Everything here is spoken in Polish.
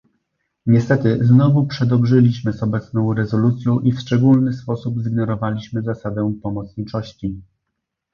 Niestety, znowu przedobrzyliśmy z obecną rezolucją i w szczególny sposób zignorowaliśmy zasadę pomocniczości